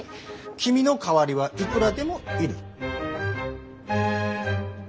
君の代わりはいくらでもいる。